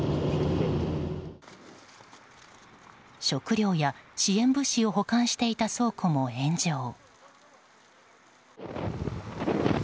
食料や、支援物資を保管していた倉庫も炎上。